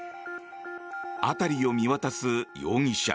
辺りを見渡す容疑者。